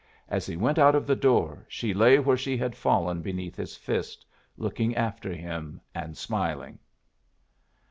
As he went out of the door, she lay where she had fallen beneath his fist, looking after him and smiling.